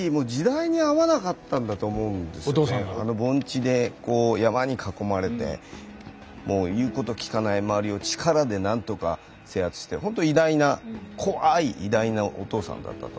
僕はやっぱりあの盆地でこう山に囲まれてもう言うこと聞かない周りを力でなんとか制圧してほんと偉大な怖い偉大なお父さんだったと思うんですけど。